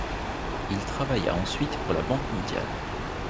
Il travailla ensuite pour la Banque Mondiale.